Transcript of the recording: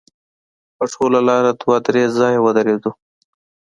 په ټوله لاره دوه درې ځایه ودرېدو.